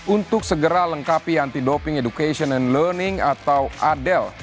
untuk segera lengkapi anti doping education and learning atau adel